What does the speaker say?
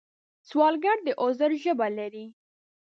سوالګر د عذر ژبه لري